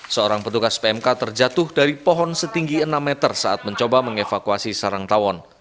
seorang petugas pmk terjatuh dari pohon setinggi enam meter saat mencoba mengevakuasi sarang tawon